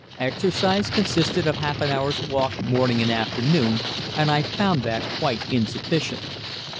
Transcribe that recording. Exercise consisted of half an hour's walk morning and afternoon, and I found that quite insufficient.